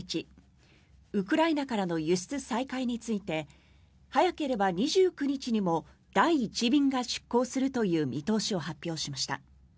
ウクライナからの輸出再開について早ければ２９日にも第１便が出港するという見通しを発表しました。